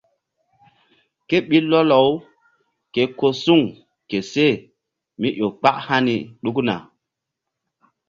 Ké ɓil lɔkɔ-u ke ko suŋ ke seh mí ƴo kpak hani ɗukna.